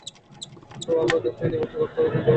তো আমরা দেশ থেকে নির্বাচন রদ করে দিতে পারি?